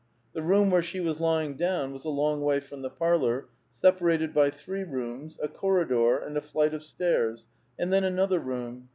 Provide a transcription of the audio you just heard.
The room where she was lying down was a long wa}* from the parlor, separated b} three rooms, a corridor, and a flight of stairs, and then another room.